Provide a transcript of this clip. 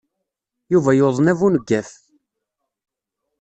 Yuba yuḍen abuneggaf.